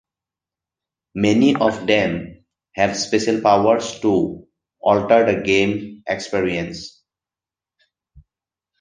Many of them have special powers to alter the game experience.